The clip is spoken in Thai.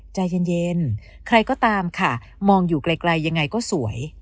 ใจเย็นใครก็ตามค่ะมองอยู่ไกลยังไงก็สวย